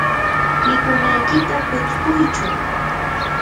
mikunaykita putskuychu.